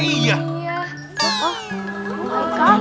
eh eh ini pausat